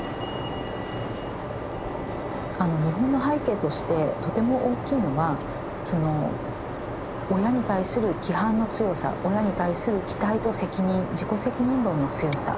日本の背景としてとても大きいのはその親に対する規範の強さ親に対する期待と責任自己責任論の強さ。